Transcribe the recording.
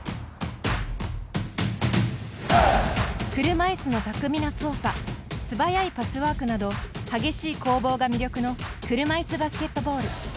車いすの巧みな操作素早いパスワークなど激しい攻防が魅力の車いすバスケットボール。